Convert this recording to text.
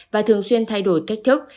và thường xuyên thay đổi cách thức